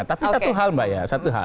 tapi satu hal mbak ya